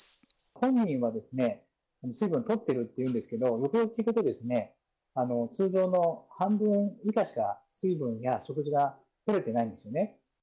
本人は水分とってるっていうんですけど、よくよく聞くと、通常の半分以下しか水分や食事がとれてないんですよね。